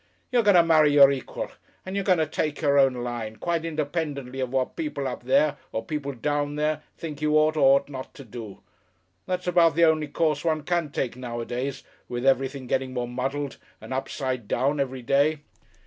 You're going to marry your equal, and you're going to take your own line, quite independently of what people up there, or people down there, think you ought or ought not to do. That's about the only course one can take nowadays with everything getting more muddled and upside down every day.